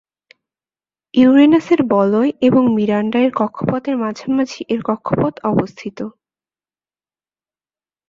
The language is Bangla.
ইউরেনাসের বলয় এবং মিরান্ডা এর কক্ষপথের মাঝামাঝি এর কক্ষপথ অবস্থিত।